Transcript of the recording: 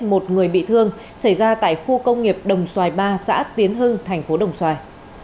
một người bị thương xảy ra tại khu công nghiệp đồng xoài ba xã tiến hưng thành phố đồng xoài